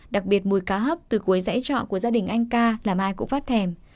đặc biệt mùi cá hấp từ cuối giải trò của gia đình anh ca làm ai cũng phát thèm